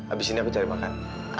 abis ini aku cari makan